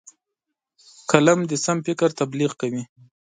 قلم د سم فکر تبلیغ کوي